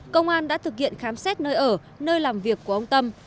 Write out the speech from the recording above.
công an đã thực hiện khám xét nơi ở nơi làm việc của ông tâm